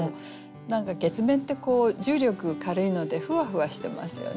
何か月面って重力軽いのでふわふわしてますよね。